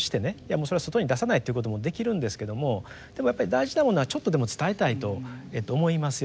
それは外に出さないっていうこともできるんですけどもでもやっぱり大事なものはちょっとでも伝えたいと思いますよね。